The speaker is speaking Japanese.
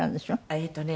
えっとね